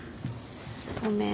ごめん。